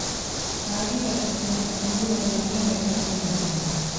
Haatik, errespetu handia sortzen du bai aldagelan, baita zaleen artean.